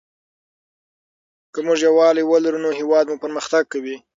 که موږ یووالي ولرو نو هېواد مو پرمختګ کوي.